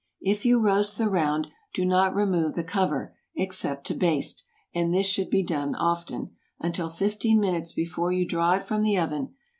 If you roast the round, do not remove the cover, except to baste (and this should be done often), until fifteen minutes before you draw it from the oven.